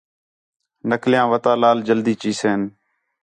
نقلیاں وَتا لال جلدی چِیسن